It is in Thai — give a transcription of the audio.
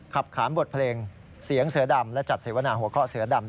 ขานบทเพลงเสียงเสือดำและจัดเสวนาหัวข้อเสือดำ